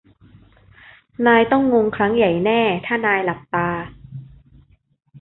นายต้องงงครั้งใหญ่แน่ถ้านายหลับตา